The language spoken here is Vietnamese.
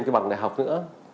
cái bằng đại học nữa